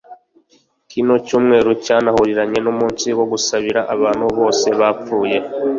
kino cyumweru cyanahuriranye n'umunsi wo gusabira abantu bose bapfuye